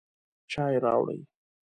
چای راوړئ